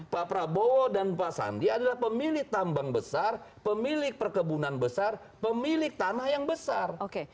pak prabowo dan pak sandi adalah pemilik tambang besar pemilik perkebunan besar pemilik tanah yang besar